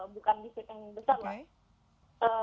bukan di state yang besar lah